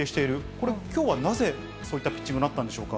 これ、きょうはなぜそういったピッチングになったんでしょうか。